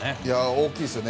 大きいですね。